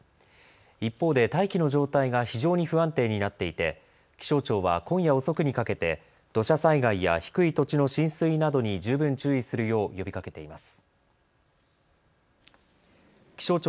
一方で大気の状態が非常に不安定になっていて気象庁は今夜遅くにかけて土砂災害や低い土地の浸水などに十分注意するよう呼びかけています。